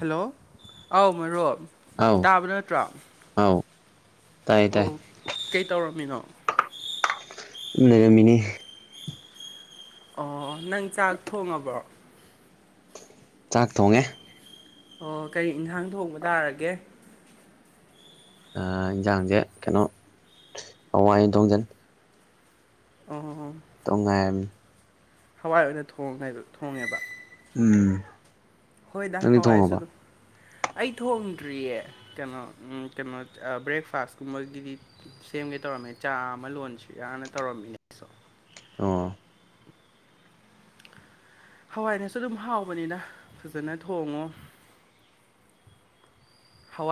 Hello ꯑꯧ ꯃꯔꯨꯞ ꯑꯥꯎ ꯇꯥꯕ ꯅꯠꯇ꯭ꯔꯣ ꯑꯥꯎ ꯇꯥꯏ ꯇꯥꯏ ꯑꯣ ꯀꯩ ꯇꯧꯔꯝꯃꯤꯅꯣ ꯆꯨꯝ ꯂꯩꯔꯝ ꯃꯤꯅꯤ ꯑꯣ ꯅꯪ ꯆꯥꯛ ꯊꯣꯡꯉꯕ꯭ꯔꯣ ꯆꯥꯛ ꯊꯣꯡꯉꯦ ꯑꯣ ꯀꯔꯤ ꯏꯟꯈꯥꯡ ꯊꯣꯡꯕ ꯇꯥꯔꯒꯦ ꯑꯥ ꯏꯟꯖꯥꯡꯁꯦ ꯀꯩꯅꯣ ꯍꯋꯥꯏ ꯑꯣꯏꯅ ꯊꯣꯡꯖꯤꯟꯂꯦ ꯑꯣ ꯇꯣꯡꯉꯥꯏꯔꯝꯃꯤ ꯍꯋꯥꯏ ꯑꯣꯏꯅ ꯊ ꯊꯣꯡꯉꯦꯕ ꯎꯝ ꯍꯣꯏꯗ ꯅꯪꯗꯤ ꯍꯋꯥꯏꯔꯁꯨ ꯊꯣꯡꯉꯕ ꯑꯗꯨꯝ ꯑꯩ ꯊꯣꯡꯗ꯭ꯔꯤꯌꯦ ꯀꯩꯅꯣ ꯀꯩꯅꯣ ꯕ꯭ꯔꯦꯛꯐꯥꯁꯀꯨꯝꯕꯒꯤꯗꯤ ꯁꯦꯝꯒꯦ ꯇꯧꯔꯝꯃꯦ ꯆꯥ ꯑꯃ ꯂꯣꯟꯁꯤꯔꯅ ꯇꯧꯔꯝꯃꯤꯅꯦ ꯑꯩꯁꯨ ꯑꯣ ꯍꯋꯥꯏꯅꯁꯨ ꯑꯗꯨꯝ ꯍꯥꯎꯕꯅꯤꯅ ꯐꯖꯅ ꯊꯣꯡꯉꯣ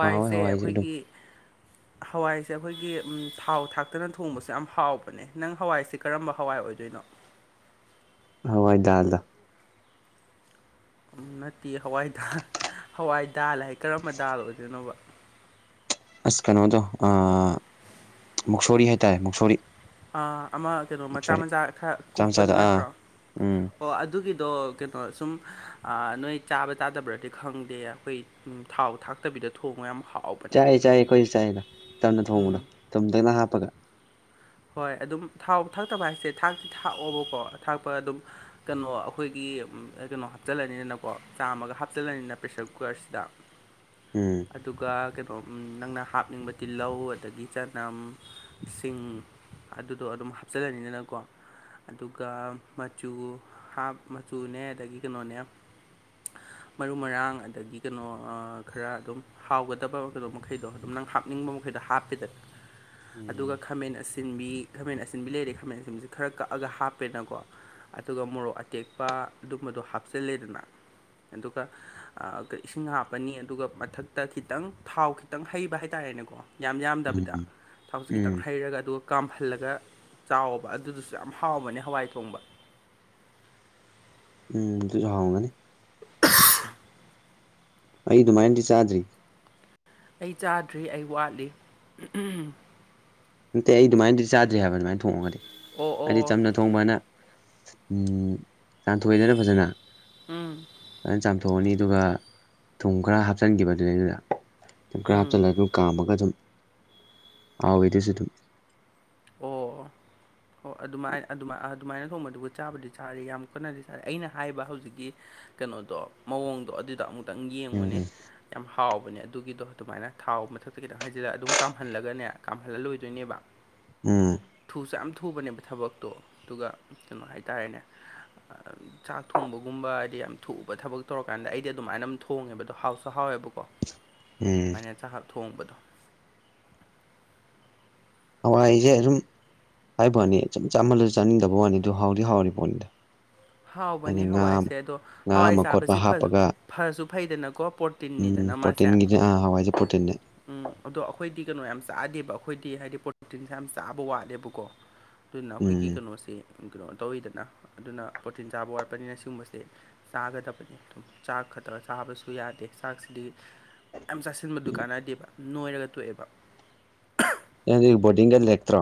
ꯍꯥꯎꯋꯦ ꯑꯗꯨꯝ ꯑꯩꯈꯣꯏꯒꯤ ꯍꯋꯥꯏꯁꯦ ꯑꯩꯈꯣꯏꯒꯤ ꯊꯥꯎ ꯊꯥꯛꯇꯅ ꯊꯣꯡꯕꯁꯦ ꯌꯥꯝ ꯍꯥꯎꯕꯅꯦ ꯑꯦ ꯅꯪ ꯍꯋꯥꯏꯁꯤ ꯀꯔꯝꯕ ꯍꯋꯥꯏ ꯑꯣꯏꯗꯣꯏꯅꯣ ꯍꯋꯥꯏ ꯗꯥꯜꯗꯣ ꯅꯠꯇꯦ ꯍꯋꯥꯏ ꯗꯥꯔ ꯍꯋꯥꯏ ꯗꯥꯜ ꯍꯥꯏ ꯀꯔꯝꯕ ꯗꯥꯜ ꯑꯣꯏꯗꯣꯏꯅꯣ ꯑꯁ ꯀ ꯅꯣꯗꯣ ꯃꯨꯛꯁꯣꯔꯤ ꯍꯥꯏꯇꯥꯔꯦ ꯃꯨꯛꯁꯣꯔꯤ ꯑꯃ ꯀꯩꯅꯣ ꯃꯆꯥ ꯃꯨꯛꯁꯣꯔꯤ ꯃꯆꯥ ꯈꯔ ꯃꯆꯥ ꯀꯨꯞꯄꯗꯨ ꯃꯆꯥꯗ ꯑꯥ ꯅꯠꯇ꯭ꯔꯣ ꯎꯝ ꯑꯣ ꯑꯗꯨꯒꯤꯗꯣ ꯀꯩꯅꯣ ꯁꯨꯝ ꯅꯣꯏ ꯆꯥꯕ ꯇꯥꯗꯕ꯭ꯔꯗꯤ ꯈꯪꯗꯦ ꯑꯩꯈꯣꯏ ꯊꯥꯎ ꯊꯥꯛꯇꯕꯤꯗ ꯊꯣꯡꯕ ꯌꯥꯝ ꯍꯥꯎꯕ ꯆꯥꯏꯑ ꯆꯥꯏꯌꯦ ꯑꯩꯈꯣꯏꯁꯨ ꯆꯥꯏꯑꯗ ꯆꯝꯅ ꯎꯝ ꯊꯨꯡꯗꯣꯒ ꯍꯥꯞꯄꯒ ꯍꯣꯏ ꯑꯗꯨꯝ ꯊꯥꯎ ꯊꯥꯛꯇꯕ ꯍꯥꯏꯁꯦ ꯊꯥꯛꯇꯤ ꯊꯥꯛꯑꯣꯕꯀꯣ ꯊꯥꯛꯄ ꯑꯗꯨꯝ ꯀꯩꯅꯣ ꯑꯩꯈꯣꯏꯒꯤ ꯀꯩꯅꯣ ꯍꯥꯞꯆꯜꯂꯅꯤꯅꯀꯣ ꯆꯥꯝꯃꯒ ꯍꯥꯞꯆꯜꯂꯅꯤꯅ ꯄ꯭ꯔꯦꯁꯔ ꯀꯨꯀꯔꯁꯤꯗ [inaudible] ꯎꯝ ꯑꯗꯨꯒ ꯀꯩꯅꯣꯝ ꯅꯪꯅ ꯍꯥꯞꯅꯤꯡꯕ ꯇꯤꯜꯍꯧ ꯑꯗꯒꯤ ꯆꯅꯝ ꯁꯤꯡ ꯑꯗꯨꯗꯣ ꯑꯗꯨꯝ ꯍꯥꯞꯆꯜꯂꯅꯤꯗꯅꯀꯣ ꯑꯗꯨꯒ ꯃꯆꯨ ꯍꯥꯞ ꯃꯆꯨꯅꯦ ꯑꯗꯒꯤ ꯀꯩꯅꯣꯅꯦ [inaudible] ꯃꯔꯨ ꯃꯔꯥꯡ ꯑꯗꯒꯤ ꯀꯩꯅꯣ ꯈꯔ ꯑꯗꯨꯝ ꯍꯥꯎꯒꯗꯕ ꯀꯩꯅꯣ ꯃꯈꯩꯗꯣ ꯑꯗꯨꯝ ꯅꯪ ꯍꯥꯞꯅꯤꯡꯕ ꯑꯩꯈꯣꯏꯗ ꯍꯥꯞꯄꯦꯗꯅ ꯎꯝ ꯑꯗꯨꯒ ꯈꯥꯃꯦꯟ ꯑꯁꯤ ꯑꯁꯤꯟꯕꯤ ꯈꯥꯃꯦꯟ ꯑꯁꯤꯟꯕꯤ ꯂꯩꯔ ꯈꯥꯃꯦꯟ ꯑꯁꯤꯟꯕꯁꯤ ꯈꯔ ꯀꯛꯑꯒ ꯍꯥꯞꯄꯦꯅꯀꯣ ꯑꯗꯨꯒ ꯃꯣꯔꯣꯛ ꯑꯇꯦꯛꯄ ꯑꯗꯨꯝꯕꯗꯣ ꯍꯥꯞꯆꯤꯜꯂꯦꯗꯅ ꯑꯗꯨꯒ ꯏꯁꯤꯡ ꯍꯥꯞꯄꯅꯤ ꯑꯗꯨꯒ ꯃꯊꯛꯇ ꯈꯤꯇꯪ ꯊꯥꯎ ꯈꯤꯇꯪ ꯍꯩꯕ ꯍꯥꯏꯇꯥꯥꯔꯦꯅꯦꯀꯣ ꯌꯥꯝ ꯎꯝ ꯌꯥꯝꯗꯕꯤꯗ ꯊꯥꯎꯁꯦ ꯎꯝ ꯈꯤꯇꯪ ꯍꯩꯔꯒ ꯑꯗꯣ ꯀꯥꯝꯍꯜꯂꯒ ꯆꯥꯎꯕ ꯑꯗꯨꯗꯁꯨ ꯌꯥꯝ ꯍꯥꯎꯕꯅꯦ ꯍꯋꯥꯏ ꯊꯣꯡꯕ ꯎꯝ ꯑꯗꯨꯁꯨ ꯍꯥꯎꯒꯅꯤ [inaudible] ꯑꯩ ꯑꯗꯨꯃꯥꯏꯅꯗꯤ ꯆꯥꯗ꯭ꯔꯤ ꯑꯩ ꯆꯥꯗ꯭ꯔꯤ ꯑꯩ ꯋꯥꯠꯂꯤ ꯅꯠꯇꯦ ꯑꯩ ꯑꯗꯨꯃꯥꯏꯅꯗꯤ ꯆꯥꯗ꯭ꯔꯤ ꯍꯥꯏꯕ ꯑꯗꯨꯃꯥꯏꯅ ꯊꯣꯡꯉꯒꯗꯤ ꯑꯣ ꯑꯩꯗꯤ ꯑꯣ ꯆꯝꯅ ꯊꯣꯡꯕꯅ ꯆꯥꯝꯊꯣꯛꯑꯦꯗꯅ ꯐꯖꯅ ꯎꯝ ꯐꯖꯅ ꯆꯥꯝꯊꯣꯛꯑꯅꯤ ꯑꯗꯨꯒ ꯊꯨꯝ ꯈꯔ ꯍꯥꯞꯆꯤꯟꯈꯤꯕ ꯑꯗꯨꯅꯦ ꯑꯩ ꯑꯗꯨꯗ ꯊꯨꯝ ꯈꯔ ꯎꯝ ꯍꯥꯞꯆꯜꯂ ꯑꯗꯨ ꯀꯥꯝꯃꯒ ꯑꯗꯨꯝ ꯍꯥꯎꯋꯤꯗ ꯑꯗꯨꯁꯨ ꯑꯗꯨꯝ ꯑꯣ ꯑꯣ ꯑꯗꯨꯃꯥꯏꯅ ꯑꯗꯨꯃꯥꯏ ꯑꯗꯨꯃꯥꯏꯅ ꯊꯣꯡꯕꯗꯨꯕꯨ ꯆꯕꯗꯤ ꯆꯔꯦ ꯌꯥꯝ ꯀꯟꯅꯗꯤ ꯆꯥꯗꯦ ꯑꯩꯅ ꯍꯥꯏꯕ ꯍꯧꯖꯤꯛꯀꯤ ꯀꯩꯅꯣꯗꯣ ꯃꯑꯣꯡꯗꯣ ꯑꯗꯨꯗꯣ ꯑꯃꯨꯛꯇꯪ ꯌꯦꯡꯉꯨꯅꯦ ꯎꯝ ꯌꯥꯝ ꯍꯥꯎꯕꯅꯦ ꯑꯗꯨꯒꯤꯗꯣ ꯑꯗꯨꯃꯥꯏꯅ ꯊꯥꯎ ꯃꯊꯛꯇ ꯈꯤꯇꯪ ꯍꯥꯏꯖꯤꯜꯂꯒ ꯑꯗꯨꯝ ꯀꯥꯝꯍꯜꯂꯒꯅꯦ ꯀꯥꯝꯍꯜꯂ ꯂꯣꯏꯗꯣꯏꯅꯦꯕ ꯎꯝ꯫ ꯊꯨꯁꯨ ꯌꯥꯝ ꯊꯨꯕꯅꯦꯕ ꯊꯕꯛꯇꯣ ꯑꯗꯨꯒ ꯀꯩꯅꯣ ꯍꯥꯏꯇꯥꯔꯦꯅꯦ꯫ [inaudible] ꯆꯥꯛ ꯊꯣꯡꯕꯒꯨꯝꯕ ꯍꯥꯏꯗꯤ ꯌꯥꯝ ꯊꯨꯕ ꯊꯕꯛ ꯇꯧꯔꯀꯥꯟꯗ ꯑꯩꯗꯤ ꯑꯗꯨꯃꯥꯏꯅ ꯑꯃ ꯊꯣꯡꯉꯦꯕ ꯑꯗꯣ ꯍꯥꯎꯁꯨ ꯍꯥꯎꯋꯦꯕꯀꯣ꯫ ꯎꯝ [unintelligible] ꯆꯥꯍꯥꯛ ꯊꯣꯡꯕꯗꯣ ꯍꯋꯥꯏ ꯁꯦ ꯑꯁꯨꯝ ꯍꯥꯏꯕ ꯋꯥꯅꯤ ꯆꯝ ꯆꯥꯃꯜꯂꯁꯨ ꯆꯥꯅꯤꯡꯗꯕ ꯋꯥꯅꯤ ꯑꯗꯨ ꯍꯥꯎꯗꯤ ꯍꯥꯎꯔꯤ ꯄꯣꯠꯅꯤꯗ꯫ ꯍꯥꯏꯗꯤ ꯍꯥꯎꯕꯅꯦ ꯉꯥ ꯍꯋꯥꯏꯁꯦ ꯑꯗꯣ ꯉꯥ ꯍꯋꯥꯏ ꯑꯃ ꯈꯣꯠꯄ ꯆꯥꯕꯁꯤ ꯐ ꯍꯥꯞꯄꯒ ꯐꯁꯨ ꯐꯩꯗꯅꯀꯣ ꯄꯣꯔꯠ ꯎꯝ ꯄ꯭ꯔꯣꯇꯤꯟꯒꯤꯗꯤ ꯑꯥ ꯍꯋꯥꯏꯁꯦ ꯄ꯭ꯔꯣꯇꯤꯟꯅꯦ꯫ ꯎꯝ ꯑꯗꯣ ꯑꯈꯣꯏꯗꯤ ꯀꯩꯅꯣ ꯌꯥꯝ ꯆꯥꯗꯦꯕ ꯑꯈꯣꯏꯗꯤ ꯍꯥꯏꯗꯤ ꯄ꯭ꯔꯣꯇꯣꯇꯤꯟꯁꯦ ꯌꯥꯝ ꯆꯥꯕ ꯋꯥꯠꯂꯦꯕꯀꯣ꯫ ꯑꯗꯨꯅ ꯑꯩꯈꯣꯏꯒꯤ ꯎꯝ ꯀꯩꯅꯣꯁꯦ ꯀꯩꯅꯣ ꯇꯧꯋꯤꯗꯅ ꯑꯗꯨꯅ ꯄ꯭ꯔꯣꯇꯤꯟ ꯆꯥꯕ ꯋꯥꯠꯄꯅꯤꯅ ꯁꯤꯒꯨꯝꯕꯁꯦ ꯆꯥꯒꯗꯕꯅꯤ ꯑꯗꯨꯝ ꯆꯥꯛ ꯈꯛꯇꯒ ꯆꯥꯕꯁꯨ ꯌꯥꯗꯦ ꯆꯥꯛꯁꯤꯗꯤ ꯌꯥꯝ ꯆꯥꯁꯤꯟꯕꯗꯨ ꯀꯥꯟꯗꯦꯕ ꯅꯣꯏꯔꯒ ꯇꯣꯛꯑꯦꯕ꯫ ꯅꯪꯗꯤ ꯕꯣꯔꯗꯤꯡꯗ ꯂꯩꯔꯛꯇ꯭ꯔꯣ꯫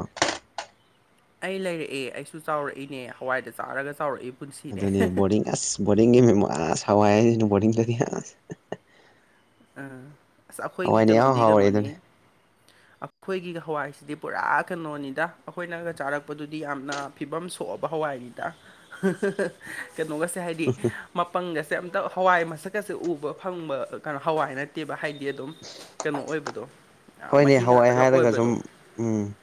ꯑꯩ ꯂꯩꯔꯛꯑꯦ ꯑꯩꯁꯨ ꯆꯥꯎꯔꯛꯏꯅꯦ ꯍꯋꯥꯏꯗ ꯆꯥꯔꯒ ꯆꯥꯎꯔꯛꯏ꯫ ꯄꯨꯟꯁꯤꯅꯦ ꯑꯗꯨꯅꯤ ꯕꯣꯔꯗꯤꯡ ꯑꯁ ꯕꯣꯔꯗꯤꯡꯒꯤ ꯃꯦꯝꯃꯣ ꯑꯁ ꯍꯋꯥꯏ ꯍꯥꯏꯁꯤꯅ ꯕꯣꯔꯗꯤꯡꯗꯗꯤ ꯑꯁ꯫ [unintelligible] ꯑꯥ ꯑꯁ ꯑꯩꯈꯣꯏꯒꯤ ꯍꯋꯥꯏꯅ ꯏꯍꯥꯎ ꯀꯩꯅꯣꯗꯤ ꯍꯥꯎꯔꯦ ꯀꯩꯅꯣꯅꯤ ꯑꯗꯨꯅꯤ ꯑ ꯈꯣꯏꯒꯤ ꯍꯋꯥꯏꯁꯤꯗꯤ ꯄꯨꯔꯥ ꯀꯩꯅꯣꯅꯤꯗ ꯑꯩꯈꯣꯏꯅꯒ ꯆꯥꯔꯛꯄꯗꯨꯗꯤ ꯌꯥꯝꯅ ꯐꯤꯕꯝ ꯁꯣꯛꯑꯕ ꯍꯋꯥꯏꯅꯤꯗ꯫ ꯀꯩꯅꯣꯒꯁꯦ ꯍꯥꯏꯗꯤ ꯃꯄꯪꯒꯁꯦ ꯑꯝꯇ ꯍꯋꯥꯏ ꯃꯁꯛꯀꯁꯦ ꯎꯕ ꯐꯪꯕ ꯀꯅꯣ ꯍꯋꯥꯏ ꯅꯠ ꯇꯦꯕ ꯍꯥꯏꯗꯤ ꯑꯗꯨꯝ ꯀꯩꯅꯣ ꯑꯣꯏꯕꯗꯣ ꯑ ꯍꯣꯏꯅꯦ ꯃꯍꯤ ꯍꯋꯥꯏ ꯉꯥꯛꯇꯒ ꯍꯥꯏꯔꯒ ꯁꯨꯝ ꯑꯣꯏꯕꯗꯣ꯫ ꯎꯝ꯫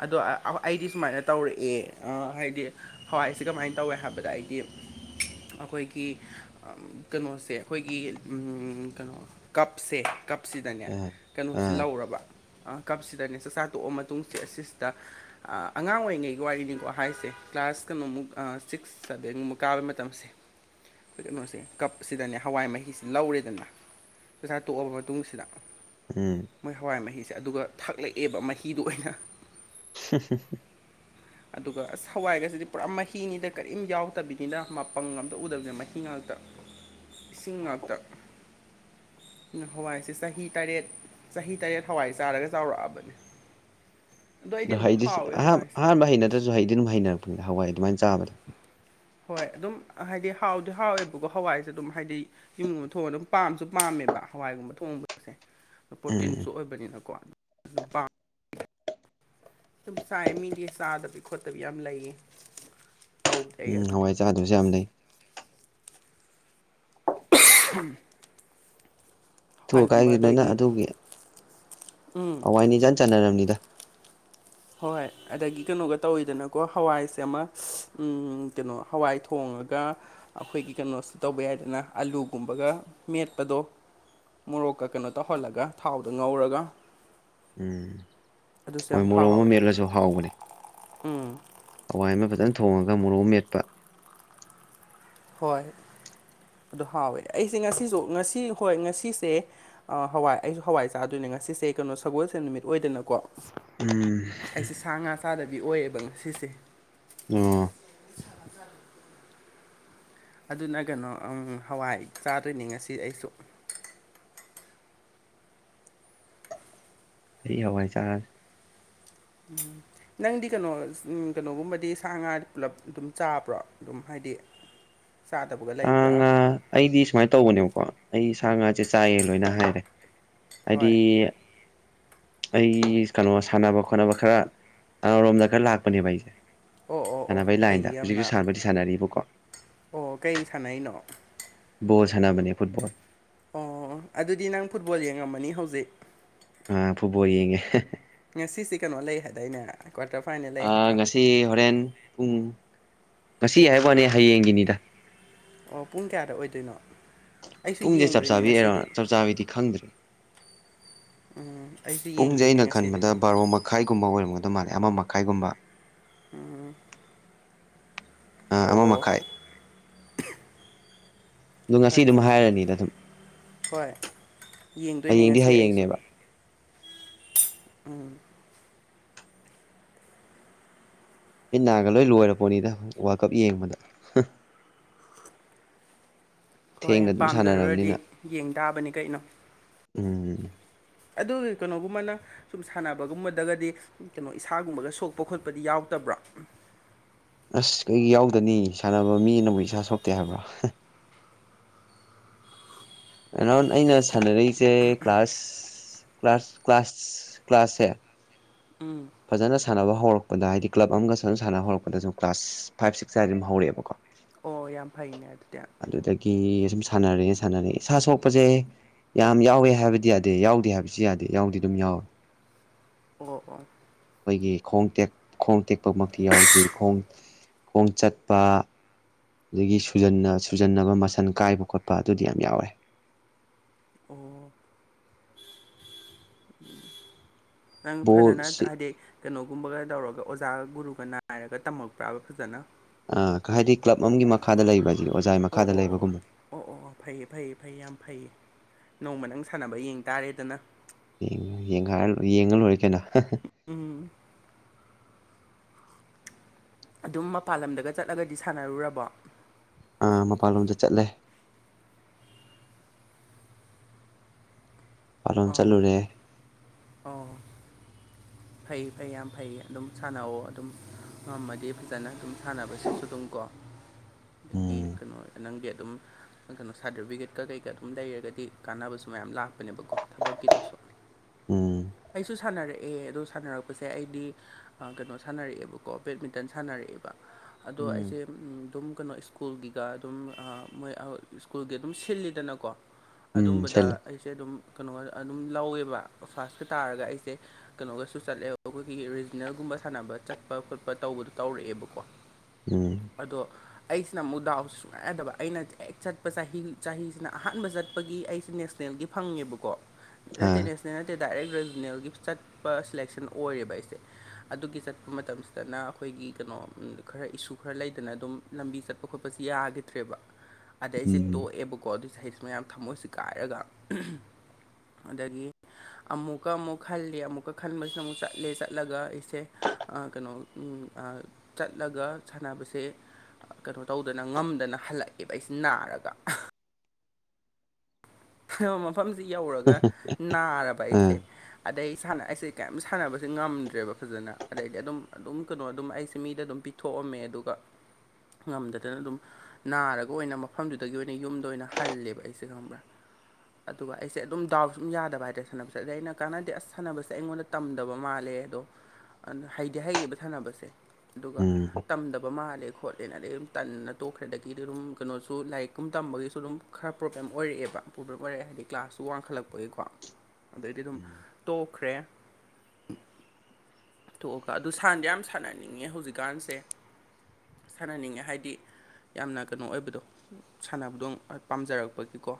ꯑꯗꯣ ꯑ ꯑꯩꯗꯤ ꯁꯨꯃꯥꯏꯅ ꯇꯧꯔꯛꯑꯦ ꯍꯥꯏꯗꯤ ꯍꯋꯥꯏꯁ ꯀꯃꯥꯏꯅ ꯇꯧꯏ ꯍꯥꯏꯕꯗ ꯑꯩꯗꯤ ꯑꯩꯈꯣꯏꯒꯤ ꯀꯩꯅꯣꯁꯦ ꯑꯩꯈꯣꯏꯒꯤ ꯎꯝ ꯀꯩꯅꯣ ꯀꯞꯁꯦ ꯀꯞꯁꯤꯗꯅꯦ ꯑꯥ ꯀꯩꯅꯣꯁꯤ ꯑꯥ ꯂꯧꯔꯕ ꯀꯞꯁꯤꯗꯅꯦ ꯆꯥꯛꯆꯥꯥ ꯇꯣꯛꯑ ꯃꯇꯨꯡꯁꯦ ꯑꯁꯤꯁꯤꯗ ꯑꯉꯥꯡ ꯑꯣꯏꯔꯤꯉꯩꯒꯤ ꯋꯥꯔꯤꯅꯤꯀꯣ ꯍꯥꯏꯁꯦ ꯀ꯭ꯂꯥꯁ ꯀꯩꯅꯣꯃꯨꯛ ꯁꯤꯛꯁ ꯆꯕꯦꯡꯒꯨꯝꯨꯛ ꯀꯥꯕ ꯃꯇꯝꯁꯦ ꯑꯩꯈꯣꯏ ꯀꯩꯅꯣꯁꯦ ꯀꯞꯁꯤꯗꯅꯦ ꯍꯋꯥꯏ ꯃꯍꯤꯁꯦ ꯂꯧꯔꯦꯗꯅ ꯆꯛꯆꯥ ꯇꯣꯛꯑꯕ ꯃꯇꯨꯡꯁꯤꯗ ꯎꯝ꯫ ꯃꯣꯏ ꯍꯋꯥꯏ ꯃꯍꯤꯁꯦ ꯑꯗꯨꯒ ꯊꯛꯂꯛꯑꯦꯕ ꯃꯍꯤꯗꯨ ꯑꯣꯏꯅ꯫ [unintelligible] [unintelligible] ꯑꯗꯨꯒ ꯑꯁ ꯍꯋꯥꯏꯒꯁꯤꯗꯤ ꯄꯨꯔꯥ ꯃꯍꯤꯅꯤꯗ ꯀꯔꯤꯝ ꯌꯥꯎꯗꯕꯤꯅꯤꯅ ꯃꯄꯪ ꯑꯝꯇ ꯎꯗꯕꯅꯤ ꯃꯍꯤ ꯉꯥꯛꯇ꯫ ꯏꯁꯤꯡ ꯉꯥꯛꯇ꯫ ꯍꯋꯥꯏꯁꯦ ꯆꯍꯤ ꯇꯔꯦꯠ ꯆꯍꯤ ꯇꯔꯦꯠ ꯍꯋꯥꯏ ꯆꯥꯔꯒ ꯆꯥꯎꯔꯛꯑꯕꯅꯤ꯫ ꯑꯗꯣ ꯍꯩꯗꯤꯁ ꯑꯍꯥꯟ ꯍꯋꯥꯏꯁꯦ ꯑꯍꯥꯟꯕ ꯍꯩꯅꯗ꯭ꯔꯁꯨ ꯍꯩꯗꯤ ꯑꯗꯨꯝ ꯍꯩꯅꯔꯛꯄꯅꯤꯗ ꯍꯋꯥꯏ ꯑꯗꯨꯃꯥꯏꯅ ꯆꯥꯕꯗꯣ꯫ ꯍꯣꯏ ꯑꯗꯨꯝ ꯍꯥꯏꯗꯤ ꯍꯥꯎꯗꯤ ꯍꯥꯎꯋꯦꯕꯀꯣ ꯍꯋꯥꯏꯁꯦ ꯑꯗꯨꯝ ꯍꯥꯏꯗꯤ ꯌꯨꯝꯒꯨꯝꯕ ꯊꯣꯛꯑ ꯑꯗꯨꯝ ꯄꯥꯝꯁꯨ ꯄꯥꯝꯃꯦꯕ ꯍꯋꯥꯏꯒꯨꯝꯕ ꯊꯣꯡꯕꯁꯦ꯫ ꯎꯝ ꯄ꯭ꯔꯣꯇꯤꯟꯁꯨ ꯑꯣꯏꯕꯅꯤꯅꯀꯣ ꯑꯗꯨꯝ ꯄꯥꯝ ꯁꯨꯝꯁꯥꯏ ꯃꯤꯗꯤ ꯆꯥꯗꯕꯤ ꯈꯣꯠꯇꯕꯤ ꯌꯥꯝ ꯂꯩꯌꯦ꯫ ꯇꯧꯗꯦ ꯑꯩ ꯎꯝ ꯑꯗꯨꯗꯤ ꯍꯋꯥꯏ ꯆꯥꯗꯨꯁꯨ ꯌꯥꯝ ꯂꯩ꯫ [unintelligible] ꯑꯊꯨ ꯍꯋꯥꯏꯒꯨꯝꯕ ꯑꯀꯥꯏꯒꯤ ꯅꯣꯏꯅ ꯑꯗꯒꯤ ꯑꯗꯨꯒꯤ ꯍꯋꯥꯏꯅ ꯏꯟꯖꯥꯟ ꯆꯥꯟꯅꯔꯕꯅꯤꯗ꯫ ꯍꯣꯏ ꯑꯗꯒꯤ ꯀꯩꯅꯣꯒ ꯇꯧꯋꯤꯗꯅꯀꯣ ꯍꯋꯥꯏꯁꯦ ꯑꯃ ꯀꯩꯅꯣ ꯍꯋꯥꯏ ꯊꯣꯡꯉꯒ ꯑꯩꯈꯣꯏꯒꯤ ꯀꯩꯅꯣꯁꯤ ꯇꯧꯕ ꯌꯥꯏꯗꯅ ꯑꯂꯨꯒꯨꯝꯕꯒ ꯃꯦꯠꯄꯗꯣ꯫ ꯃꯣꯔꯣꯛꯀ ꯀꯩꯅꯣ ꯇꯧꯍꯜꯂꯒ ꯊꯥꯎꯗ ꯉꯧꯔꯒ꯫ ꯎꯝ ꯑꯗꯨꯁꯨ ꯍꯣꯏ ꯌꯥꯝ ꯃꯣꯔꯣꯛ ꯑꯃ ꯍꯥꯎꯋꯦ ꯃꯦꯠꯂꯁꯨ ꯍꯥꯎꯕꯅꯤ꯫ ꯎꯝ ꯍꯋꯥꯏ ꯑꯃ ꯐꯖꯅ ꯊꯣꯡꯉꯒ ꯃꯣꯔꯣꯛ ꯃꯦꯠꯄ꯫ ꯍꯣꯏ ꯑꯗꯨ ꯍꯥꯎꯋꯦ ꯑꯩꯁꯦ ꯉꯁꯤꯁꯨ ꯉꯁꯤ ꯍꯣꯏ ꯉꯁꯤꯁꯦ ꯑ ꯍꯋꯥꯏ ꯑꯩꯁꯨ ꯍꯋꯥꯏ ꯆꯥꯗꯣꯏꯅꯦ ꯉꯁꯤꯁꯦ ꯀꯩꯅꯣ ꯁꯒꯣꯜꯁꯦꯜ ꯅꯨꯃꯤꯠ ꯑꯣꯏꯗꯅꯀꯣ ꯎꯝ ꯑꯩꯁꯦ ꯁꯥ ꯉꯥ ꯆꯥꯗꯕꯤ ꯑꯣꯏꯌꯦꯕ ꯉꯁꯤꯁꯦ ꯑꯣ ꯑꯗꯨꯅ ꯀꯩꯅꯣ ꯑꯝ ꯍꯋꯥꯏ ꯆꯥꯗꯣꯏꯅꯤ ꯉꯁꯤ ꯑꯩꯁꯨ ꯑꯩ ꯍꯋꯥꯏ ꯆꯥꯔꯅꯤ ꯎꯝ ꯅꯪꯗꯤ ꯀꯩꯅꯣ ꯎꯝ ꯀꯩꯅꯣꯒꯨꯝꯕꯗꯤ ꯁꯥ ꯉꯥꯗꯤ ꯄꯨꯂꯞ ꯑꯗꯨꯝ ꯆꯥꯕ꯭ꯔꯣ ꯑꯗꯨꯝ ꯍꯥꯏꯗꯤ ꯆꯥꯗꯕꯒ ꯁꯥ ꯂꯩꯕ꯭ꯔꯥ ꯉꯥ ꯑꯩꯗꯤ ꯁꯨꯃꯥꯏ ꯇꯧꯕꯅꯦꯕꯀꯣ ꯑꯩ ꯁꯥ ꯉꯥꯁꯦ ꯆꯥꯏꯌꯦ ꯂꯣꯏꯅ ꯍꯥꯏꯔꯦ ꯍꯥꯏꯗꯤ ꯍꯣꯏ ꯑꯩ ꯀꯩꯅꯣ ꯁꯥꯟꯅꯕ ꯈꯣꯠꯅꯕ ꯈꯔ ꯇꯔꯣꯝꯗ ꯈꯔ ꯂꯥꯛꯄꯅꯦꯕ ꯑꯩꯁꯦ ꯑꯣ ꯑꯣ ꯑꯣ ꯁꯥꯟꯅꯕꯩ ꯐꯩ ꯂꯥꯏꯟꯗ ꯍꯧꯖꯤꯛꯁꯨ ꯌꯥꯝꯅ ꯁꯥꯟꯅꯕꯗꯤ ꯁꯥꯟꯅꯔꯤꯕꯀꯣ ꯑꯣ ꯀꯩ ꯁꯥꯟꯅꯩꯅꯣ ꯕꯣꯜ ꯁꯥꯟꯅꯕꯅꯦ ꯐꯨꯠꯕꯣꯜ ꯑꯣ ꯑꯗꯨꯗꯤ ꯅꯪ ꯐꯨꯠꯕꯣꯜ ꯌꯦꯡꯉꯝꯃꯅꯤ ꯍꯧꯖꯤꯛ ꯑ ꯐꯨꯠꯕꯣꯜ ꯌꯦꯡꯉꯦ ꯉꯁꯤꯁꯦ ꯀꯩꯅꯣ ꯂꯩ ꯍꯥꯏꯗꯥꯏꯅꯦ ꯀ꯭ꯋꯥꯇ꯭ꯔ ꯐꯥꯏꯅꯦꯜ ꯂꯩ ꯍꯥꯏꯕ꯭ꯔꯥ ꯇꯤ ꯍꯣꯔꯦꯟ ꯄꯨꯡ ꯉꯁꯤ ꯍꯥꯏꯕ ꯋꯥꯅꯤ ꯍꯌꯦꯡꯒꯤꯅꯤꯗ ꯑꯣ ꯄꯨꯡ ꯀꯌꯥꯗ ꯑꯣꯏꯗꯣꯏꯅꯣ ꯑꯩꯁꯨ ꯄꯨꯡꯁꯦ ꯆꯞ ꯌꯦꯡꯗꯣꯏꯅꯦ ꯆꯥꯕꯤ ꯑꯦꯔꯥꯎ꯭ꯟ ꯉꯁꯤꯗꯤ ꯆꯞ ꯆꯥꯕꯤꯗꯤ ꯈꯪꯗ꯭ꯔꯤ ꯎꯝ ꯑꯩꯁꯨ ꯄꯨꯡꯖꯦ ꯌꯦꯡꯗꯣꯏꯅꯦ ꯑꯩꯅ ꯉꯁꯤꯗꯤ ꯈꯟꯕꯗ ꯕꯥꯔꯣ ꯃꯈꯥꯏꯒꯨꯝꯕ ꯑꯣꯏꯔꯝꯒꯗꯧ ꯃꯥꯜꯂꯦ ꯑꯃ ꯃꯈꯥꯏꯒꯨꯝꯕ ꯎꯝ ꯑꯥ ꯑꯃ ꯃꯈꯥꯏ ꯑꯗꯣ ꯉꯁꯤ ꯑꯗꯨꯝ ꯐꯔꯦꯅꯦ ꯍꯥꯏꯔꯅꯤꯗ ꯑꯗꯨꯝ ꯍꯣꯏ ꯌꯦꯡꯗꯣꯏꯅꯤ ꯍꯌꯦꯡꯗꯤ ꯉꯁꯤ ꯑꯩꯁꯨ ꯍꯌꯦꯡꯅꯦꯕ ꯎꯝ ꯃꯤꯠ ꯅꯥꯒ ꯂꯣꯏ ꯂꯣꯏꯔꯄꯣꯠꯅꯤꯗ ꯋꯥꯔ꯭ꯜ ꯀꯞ ꯌꯦꯡꯕꯗ [unintelligible] ꯍꯣꯏꯅꯦ ꯊꯦꯡꯅ ꯑꯗꯨꯝ ꯄꯥꯝꯖꯔꯨꯔꯗꯤ ꯁꯥꯟꯅꯔꯕꯅꯤꯅ ꯌꯦꯡ ꯇꯥꯕꯅꯤ ꯀꯩꯅꯣ ꯎꯝ ꯑꯗꯨꯒꯤ ꯀꯩꯅꯣꯒꯨꯝꯕꯅ ꯁꯨꯝ ꯁꯥꯟꯅꯕꯒꯨꯝꯕꯗꯒꯗꯤ ꯀꯩꯅꯣ ꯏꯁꯥꯒꯨꯝꯕꯒ ꯁꯣꯛꯄ ꯈꯣꯠꯄꯗꯤ ꯌꯥꯎꯗꯕ꯭ꯔꯣ ꯑꯁ ꯀꯩꯒꯤ ꯌꯥꯎꯗꯅꯤ ꯁꯥꯟꯅꯕ ꯃꯤꯅꯕꯨ ꯏꯁꯥ ꯁꯣꯛꯇꯦ ꯍꯥꯏꯕ꯭ꯔꫭ ꯑꯦꯔꯥꯎ꯭ꯟ ꯑꯩꯅ ꯁꯥꯟꯅꯔꯛꯏꯁꯦ ꯀ꯭ꯂꯥꯁ ꯀ꯭ꯂꯥꯁ ꯀ꯭ꯂꯥꯁ ꯀ꯭ꯂꯥꯁꯁꯦ ꯎꯝ ꯐꯖꯅ ꯁꯥꯟꯅꯕ ꯍꯧꯔꯛꯄꯗ ꯍꯥꯏꯗꯤ ꯀ꯭ꯂꯞ ꯑꯃꯒ ꯁꯥꯅ ꯁꯥꯅ ꯍꯧꯔꯛꯄꯗ ꯁꯨꯝ ꯀ꯭ꯂꯥꯁ ꯐꯥꯏꯞ ꯁꯤꯛꯁ ꯁꯥꯏꯗꯩ ꯑꯗꯨꯝ ꯍꯧꯔꯛꯑꯦꯕꯀꯣ ꯑꯣ ꯌꯥꯝ ꯐꯩꯅꯦ ꯑꯗꯨꯗꯤ ꯑꯗꯨꯗꯒꯤ ꯁꯨꯝ ꯁꯥꯟꯅꯔꯦ ꯁꯥꯟꯅꯔꯦ ꯏꯁꯥ ꯁꯣꯛꯄꯖꯦ ꯌꯥꯝ ꯌꯥꯎꯋꯦ ꯍꯥꯏꯕꯗꯤ ꯌꯥꯗꯦ ꯌꯥꯎꯗꯦ ꯍꯥꯏꯕꯁꯨ ꯌꯥꯗꯦ ꯌꯥꯎꯗꯤ ꯑꯗꯨꯝ ꯌꯥꯎꯋꯦ ꯑꯣ ꯑꯣ ꯑꯩꯈꯣꯏꯒꯤ ꯈꯣꯡ ꯇꯦꯛ ꯈꯣꯡ ꯇꯦꯛꯄꯃꯛꯇꯤ ꯌꯥꯎꯗ꯭ꯔꯤ ꯈꯣꯡ ꯈꯣꯡ ꯆꯠꯄ ꯑꯗꯒꯤ ꯁꯨꯖꯟꯅ ꯁꯨꯖꯟꯅꯕ ꯃꯁꯟ ꯀꯥꯏꯕ ꯈꯣꯠꯄ ꯑꯗꯨꯗꯤ ꯌꯥꯝ ꯌꯥꯎꯔꯦ ꯑꯣ ꯅꯪ ꯐꯖꯅ ꯕꯣꯜꯁꯤ ꯍꯥꯏꯗꯤ ꯀꯩꯅꯣꯒꯨꯝꯕꯒ ꯇꯧꯔꯒ ꯑꯣꯖꯥꯒ ꯒꯨꯔꯨꯒ ꯅꯥꯏꯔꯒ ꯇꯝꯃꯛꯄ꯭ꯔꯥꯕ ꯐꯖꯅ ꯑꯥ ꯍꯥꯏꯗꯤ ꯀ꯭ꯂꯞ ꯑꯃꯒꯤ ꯃꯈꯥꯗ ꯂꯩꯕ ꯍꯥꯏꯁꯤꯗꯤ ꯑꯣꯏꯖꯥꯏ ꯑꯣ ꯃꯈꯥꯗ ꯑꯣ ꯂꯩꯕꯒꯨꯝꯕꯅꯤ ꯑꯣ ꯑꯣ ꯑꯣ ꯐꯩꯌꯦ ꯐꯩꯌꯦ ꯐꯩ ꯌꯥꯝ ꯐꯩꯌꯦ ꯅꯣꯡꯃ ꯅꯪ ꯁꯥꯟꯅꯕ ꯌꯦꯡ ꯇꯥꯔꯦꯗꯅ ꯌꯦꯡꯉꯨ ꯌꯦꯡꯒꯥꯏꯔ ꯂꯣꯏ ꯌꯦꯡꯉ ꯂꯣꯏꯔ‌ꯦ ꯀꯩꯅꯣ ꯎꯝ ꯑꯗꯨꯝ ꯃꯄꯥꯟ ꯂꯝꯗꯒ ꯆꯠꯂꯒꯗꯤ ꯁꯥꯟꯅꯔꯨꯔꯕꯣ ꯑꯥ ꯃꯄꯥꯟꯂꯣꯝꯗ ꯆꯠꯂꯦ ꯄꯥꯂꯣꯟ ꯆꯠꯂꯨꯔꯦ ꯑꯣ ꯐꯩ ꯐꯩ ꯌꯥꯝ ꯐꯩ ꯑꯗꯨꯝ ꯁꯥꯟꯅꯧꯑꯣ ꯑꯗꯨꯝ ꯉꯝꯃꯗꯤ ꯐꯖꯅ ꯑꯗꯨꯝ ꯁꯥꯟꯅꯕꯁꯤꯁꯨ ꯑꯗꯨꯝ ꯀꯣ ꯑꯗꯒꯤ ꯎꯝ ꯀꯩꯅꯣ ꯅꯪꯗꯤ ꯑꯗꯨꯝ ꯀꯩꯅꯣ ꯁꯥꯔꯇꯤꯐꯤꯀꯦꯠꯀ ꯀꯩꯀꯥ ꯑꯗꯨꯝ ꯂꯩꯔꯒꯗꯤ ꯀꯥꯟꯅꯕꯁꯨ ꯃꯌꯥꯝ ꯂꯥꯛꯄꯅꯦꯕꯀꯣ ꯊꯕꯛꯀꯤꯗꯁꯨ ꯎꯝ ꯑꯩꯁꯨ ꯁꯥꯟꯅꯔꯛꯑꯦ ꯑꯗꯨ ꯁꯥꯟꯅꯔꯛꯄꯁꯦ ꯑꯩꯗꯤ ꯑꯥ ꯀꯩꯅꯣ ꯁꯥꯟꯅꯔꯛꯑꯦꯕꯀꯣ ꯕꯦꯠꯃꯤꯟꯇꯟ ꯁꯥꯟꯅꯔꯛꯑꯦꯕ ꯑꯗꯣ ꯑꯩꯁꯦ ꯎꯝ ꯑꯗꯨꯝ ꯀꯩꯅꯣ ꯁ꯭ꯀꯨꯜꯒꯤꯒ ꯑꯗꯨꯝ ꯑꯥ ꯃꯣꯏ ꯁ꯭ꯀꯨꯜꯒꯤ ꯑꯗꯨꯝ ꯁꯤꯜꯂꯤꯗꯅꯀꯣ ꯎꯝ ꯑꯗꯨꯝꯕꯗ ꯁꯦꯠꯂꯦ ꯑꯩꯁꯦ ꯑꯗꯨꯝ ꯀꯩꯅꯣ ꯑꯗꯨꯝ ꯂꯧꯋꯦꯕ ꯐꯥꯔꯁꯀ ꯇꯥꯔꯒ ꯑꯩꯁꯦ ꯀꯩꯅꯣꯒꯁꯨ ꯆꯠꯂꯦꯕ ꯑꯩꯈꯣꯏꯒꯤ ꯔꯤꯖꯅꯦꯜꯒꯨꯝꯕ ꯁꯥꯟꯅꯕ ꯆꯠꯄ ꯈꯣꯠꯄ ꯇꯧꯕꯗꯣ ꯇꯧꯔꯛꯑꯦꯕꯀꯣ ꯎꯝ ꯑꯗꯣ ꯑꯩꯁꯤꯅꯃꯨꯛ ꯗꯥꯎꯁꯦ ꯁꯨꯉꯌ ꯌꯥꯗꯕ ꯑꯩꯅ ꯍꯦꯛ ꯆꯠꯄ ꯆꯍꯤ ꯆꯍꯤꯁꯤꯅ ꯑꯍꯥꯟꯕ ꯆꯠꯄꯒꯤ ꯑꯩꯁꯦ ꯅꯦꯛꯁ ꯅ‌ꯦꯜꯒꯤ ꯐꯪꯉꯦꯕꯀꯣ ꯅꯠꯇꯦ ꯑꯥ ꯅꯦꯛꯁꯅ‌ꯦꯜ ꯅꯠꯇꯦ ꯗꯥꯏꯔꯦꯛ ꯔꯤꯖꯅꯦꯜꯒꯤ ꯆꯠꯄ ꯁꯦꯂꯦꯛꯁꯟ ꯑꯣꯏꯔꯦꯕ ꯑꯩꯁꯦ ꯑꯗꯨꯒꯤ ꯆꯠꯄ ꯃꯇꯝꯁꯤꯗꯅ ꯑꯩꯈꯣꯏꯒꯤ ꯀꯩꯅꯣ ꯈꯔ ꯏꯁꯨ ꯈꯔ ꯂꯩꯗꯅ ꯑꯗꯨꯝ ꯂꯝꯕꯤ ꯆꯠꯄ ꯈꯣꯠꯄꯁ‌ꯦ ꯌꯥꯈꯤꯗ꯭ꯔꯦꯕ ꯑꯗꯩ ꯑꯩꯁꯦ ꯎꯝ ꯇꯣꯛꯑꯦꯕꯀꯣ ꯑꯗꯨ ꯆꯍꯤꯗꯨꯃ ꯌꯥꯝ ꯊꯝꯃꯣꯏꯁꯦ ꯀꯥꯏꯔꯒ ꯑꯗꯒꯤ ꯑꯃꯨꯛꯀ ꯑꯃꯨꯛ ꯈꯜꯂ‌ꯦ ꯑꯃꯨꯛꯀ ꯈꯟꯕꯁꯤꯅ ꯑꯃꯨꯛ ꯆꯠꯂꯦ ꯆꯠꯂꯒ ꯑꯩꯁꯦ ꯑꯥ ꯀꯩꯅꯣ ꯎꯝ ꯑꯥ ꯆꯠꯂꯒ ꯁꯥꯟꯅꯕꯁꯦ ꯀꯩꯅꯣ ꯇꯧꯗꯅ ꯉꯝꯗꯅ ꯍꯜꯂꯛꯑꯦꯕ ꯑꯩꯁꯦ ꯅꯥꯔꯒ ꯁꯥꯟꯅꯕ ꯃꯐꯝꯁ‌ꯦ ꯌꯧꯔꯒ ꯅꯥꯔꯕ ꯑꯩꯁꯦ ꯑꯥ ꯑꯗꯩ ꯁꯥꯟꯅ ꯑꯩꯁꯦ ꯀꯩꯝ ꯁꯥꯟꯅꯕꯁꯦ ꯉꯝꯗ꯭ꯔꯦꯕ ꯐꯖꯅ ꯑꯗꯩꯗꯤ ꯑꯗꯨꯝ ꯑꯗꯨꯝ ꯀꯩꯅꯣ ꯑꯗꯨꯝ ꯑꯩꯁꯦ ꯃꯤꯗ ꯑꯗꯨꯝ ꯄꯤ ꯊꯣꯛꯑꯝꯃꯦ ꯑꯗꯨꯒ ꯉꯝꯗꯗꯅ ꯑꯗꯨꯝ ꯅꯥꯔꯒ ꯑꯣꯏꯅ ꯃꯐꯝꯗꯨꯗꯒꯤ ꯑꯣꯏꯅ ꯌꯨꯝꯗ ꯑꯣꯏꯅ ꯍꯜꯂꯦꯕ ꯑꯩꯁꯦ ꯈꯪꯕ꯭ꯔꯥ ꯑꯗꯨꯒ ꯑꯩꯁꯦ ꯑꯗꯨꯝ ꯗꯥꯎꯠꯁꯨ ꯑꯗꯨꯝ ꯌꯥꯗꯕ ꯍꯥꯏꯇꯥꯔꯦ ꯁꯥꯟꯅꯕꯁꯦ ꯆꯠꯂ‌ꯦ ꯑꯩꯅ ꯀꯥꯟꯅꯗꯦ ꯑꯁ ꯁꯥꯟꯅꯕꯁꯦ ꯑꯩꯉꯣꯟꯗ ꯇꯝꯗꯕ ꯃꯥꯜꯂꯦ ꯑꯗꯣ ꯍꯩꯗꯤ-ꯍꯩꯌ‌ꯦꯕ ꯁꯥꯟꯅꯕꯁꯦ ꯑꯗꯨꯒ ꯎꯝ ꯇꯝꯗꯕ ꯃꯥꯜꯂꯦ ꯈꯣꯠꯂꯦꯅ ꯑꯗꯩ ꯑꯗꯨꯝ ꯇꯟꯗꯅ ꯇꯣꯛꯈ꯭ꯔꯦ ꯑꯗꯒꯤ ꯑꯗꯨꯝ ꯀꯩꯅꯣꯁꯨ ꯂꯥꯏꯔꯤꯛꯀꯨꯝ ꯇꯝꯕꯒꯤꯁꯨ ꯑꯗꯨꯝ ꯈꯔ ꯄ꯭ꯔꯣꯕ꯭ꯂꯦꯝ ꯑꯣꯏꯔꯛꯑꯦꯕ ꯄ꯭ꯔꯣꯕ꯭ꯂꯦꯝ ꯑꯣꯏꯔꯛꯑꯦ ꯍꯥꯏꯗꯤ ꯀ꯭ꯂꯥꯁꯁꯨ ꯋꯥꯡꯈꯠꯂꯛꯄꯒꯤꯀꯣ ꯑꯗꯩꯗꯤ ꯑꯗꯨꯝ ꯇꯣꯛꯈ꯭ꯔꯦ ꯇꯣꯛꯑꯒ ꯑꯗꯨ ꯁꯥꯟꯗꯤ ꯌꯥꯝ ꯁꯥꯟꯅꯅꯤꯡꯉꯦ ꯍꯧꯖꯤꯛꯀꯥꯟꯁꯦ ꯁꯥꯟꯅꯅꯤꯡꯉꯦ ꯍꯥꯏꯗꯤ ꯌꯥꯝꯅ ꯀꯩꯅꯣ ꯑꯣꯏꯕꯗꯣ ꯁꯥꯟꯅꯕꯗꯣ ꯄꯥꯝꯖꯔꯛꯄꯒꯤꯀꯣ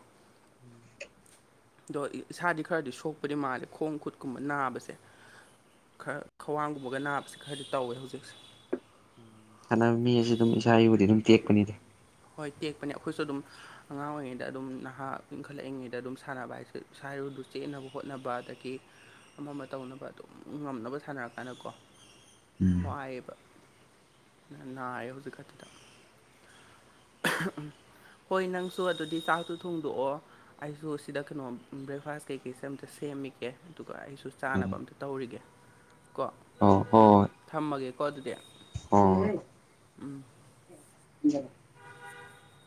[unintelligible] ꯑꯗꯣ ꯏꯁꯥꯗꯤ ꯈꯔꯗꯤ ꯁꯣꯛꯄꯗꯤ ꯃꯥꯜꯂꯦ ꯈꯣꯡ ꯈꯨꯠꯀꯨꯝꯕ ꯅꯥꯕꯁꯦ ꯈꯔ ꯈ꯭ꯋꯥꯡꯒꯨꯝꯕꯒ ꯅꯥꯕꯁꯦ ꯈꯔꯗꯤ ꯇꯧꯋꯦ ꯍꯧꯖꯤꯛꯁꯦ ꯁꯥꯟꯅꯕ ꯃꯤ ꯍꯥꯏꯁꯤꯗꯤ ꯑꯗꯨꯝ ꯏꯁꯥ ꯏꯔꯨꯗꯤ ꯑꯗꯨꯝ ꯇꯦꯛꯄꯅꯤꯗ ꯍꯣꯏ ꯇꯦꯛꯄꯅꯦ ꯑꯩꯈꯣꯏꯁꯨ ꯑꯗꯨꯝ ꯑꯉꯥꯡ ꯑꯣꯏꯔꯤꯉꯩꯗ ꯑꯗꯨꯝ ꯅꯍꯥ ꯏꯟꯈꯠꯂꯛꯏꯉꯩꯗ ꯑꯗꯨꯝ ꯁꯥꯟꯅꯕ ꯍꯥꯏꯁꯦ ꯏꯁꯥ ꯏꯔꯨꯗꯨ ꯆꯦꯟꯅꯕ ꯍꯣꯠꯅꯕ ꯑꯗꯒꯤ ꯑꯃ ꯑꯃ ꯇꯧꯅꯕ ꯑꯗꯨꯝ ꯉꯝꯅꯕ ꯁꯥꯟꯅꯔꯀꯥꯟꯗꯀꯣ ꯎꯝ ꯋꯥꯥꯏꯌꯦꯕ ꯅꯥ-ꯅꯥꯏꯌꯦ ꯍꯧꯖꯤꯛ ꯈꯛꯇꯗ ꯎꯝ ꯍꯣꯏ ꯅꯪꯁꯨ ꯑꯗꯨꯗꯤ ꯆꯥꯛꯇꯣ ꯊꯣꯡꯗꯣꯛꯑꯣ ꯑꯩꯁꯨ ꯁꯤꯗ ꯀꯩꯅꯣ ꯕ꯭ꯔꯦꯛꯐꯥꯁ ꯀꯩꯀꯩꯁꯦ ꯑꯝꯇ ꯁꯦꯝꯃꯤꯒꯦ ꯑꯗꯨꯒ ꯑꯩꯁꯨ ꯎꯝ ꯆꯥꯅꯕ ꯑꯝꯇ ꯇꯧꯔꯤꯒꯦ ꯀꯣ ꯑꯣ ꯍ‌ꯣꯏ ꯍ‌ꯣꯏ ꯊꯝꯃꯒꯦꯀꯣ ꯑꯗꯨꯗꯤ ꯍ‌ꯣꯏ ꯎꯝ [inaudible] ꯑ